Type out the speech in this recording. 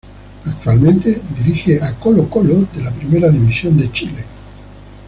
Actualmente dirige a Colo-Colo de la Primera División de Chile.